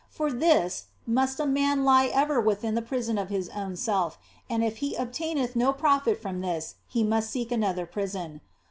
For this must a man lie ever within the prison of his own self ; and if he obtaineth no profit from this, he must seek another prison.